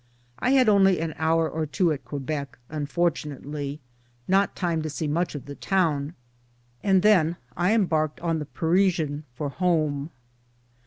1 had only an hour or two at Quebec, unfortunately not time to see much of the town ; and then I embarked on the Parisian for home.